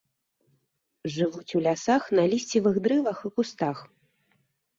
Жывуць у лясах на лісцевых дрэвах і кустах.